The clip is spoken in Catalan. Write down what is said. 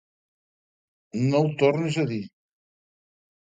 No ho tornis a dir.